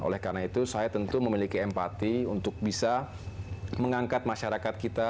oleh karena itu saya tentu memiliki empati untuk bisa mengangkat masyarakat kita